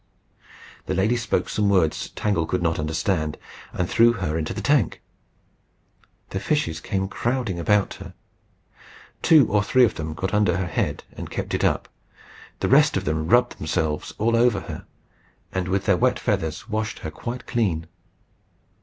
The lady spoke some words Tangle could not understand, and threw her into the tank. The fishes came crowding about her. Two or three of them got under her head and kept it up. The rest of them rubbed themselves all over her, and with their wet feathers washed her quite clean.